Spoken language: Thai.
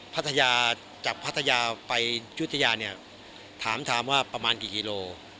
พัทยาจากพัทยาไปยุธยาเนี่ยถามถามว่าประมาณกี่กิโล